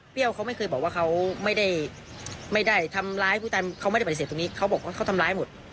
เขาไม่เคยบอกว่าเขาไม่ได้ทำร้ายผู้ตายเขาไม่ได้ปฏิเสธตรงนี้เขาบอกว่าเขาทำร้ายหมด